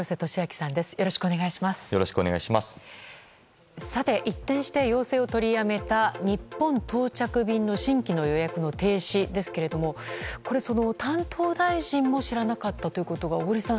さて、一転して要請を取りやめた日本到着便の新規の予約停止ですがこれ、担当大臣も知らなかったということが小栗さん